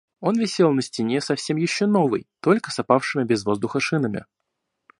Он висел на стене, совсем еще новый, только с опавшими без воздуха шинами.